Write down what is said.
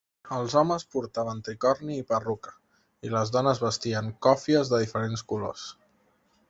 Els homes portaven tricorni i perruca i les dones vestien còfies de diferents colors.